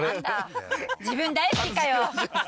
自分大好きかよ！